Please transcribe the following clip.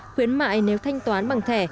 khuyến mại nếu thanh toán bằng thẻ